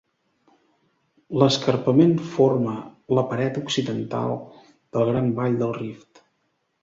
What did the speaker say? L'escarpament forma la paret occidental del Gran Vall del Rift.